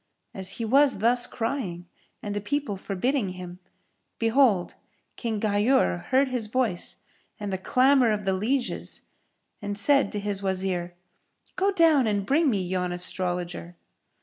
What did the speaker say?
As he was thus crying and the people forbidding him, behold, King Ghayur heard his voice and the clamour of the lieges and said to his Wazir, "Go down and bring me yon Astrologer."